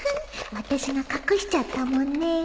私が隠しちゃったもんね